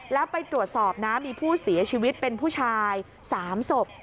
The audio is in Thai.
แล้วไปตรวจสอบนะมีผู้เสียชีวิตเป็นผู้ชาย๓ศพ